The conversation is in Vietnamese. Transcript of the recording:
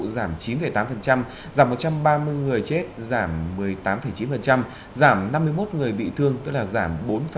giảm chín tám giảm một trăm ba mươi người chết giảm một mươi tám chín giảm năm mươi một người bị thương tức là giảm bốn năm mươi ba